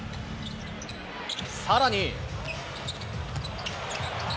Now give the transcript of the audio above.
さらに。